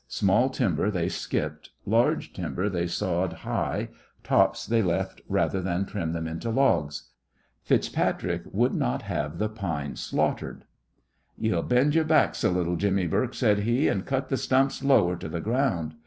Small timber they skipped, large timber they sawed high, tops they left rather than trim them into logs. FitzPatrick would not have the pine "slaughtered." "Ye'll bend your backs a little, Jimmy Bourke," said he, "and cut th' stumps lower to th' ground.